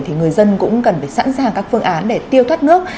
thì người dân cũng cần phải sẵn sàng các phương án để tiêu thoát nước